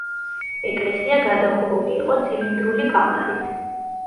ეკლესია გადახურული იყო ცილინდრული კამარით.